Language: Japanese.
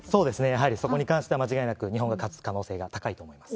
やはりそこに関しては、間違いなく日本が勝つ可能性が高いと思います。